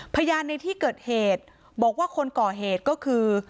พยานในที่เกิดเหตุบอกว่าคนก่อเหตุก็คือ